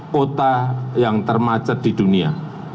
kota yang termacet di dunia